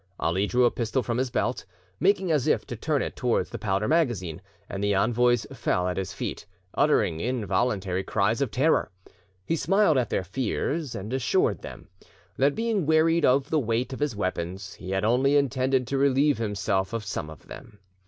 Ali drew a pistol from his belt, making as if to turn it towards the powder magazine, and the envoys fell at his feet, uttering involuntary cries of terror. He smiled at their fears, and assured them that, being wearied of the weight of his weapons, he had only intended to relieve himself of some of them.